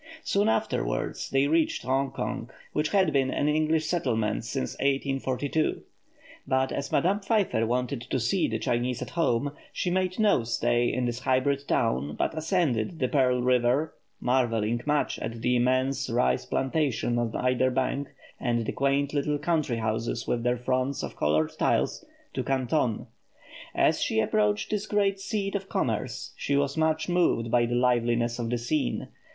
Soon afterwards they reached Hong Kong, which had been an English settlement since 1842. But as Madame Pfeiffer wanted to see the Chinese at home, she made no stay in this hybrid town, but ascended the Pearl River, marvelling much at the immense rice plantations on either bank, and the quaint little country houses, with their fronts of coloured tiles, to Canton. As she approached this great seat of commerce, she was much moved by the liveliness of the scene.